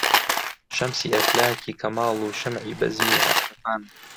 شەمسی ئەفلاکی کەماڵ و شەمعی بەزمی عارفان